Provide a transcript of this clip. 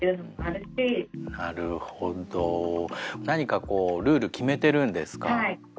何かこうルール決めてるんですか？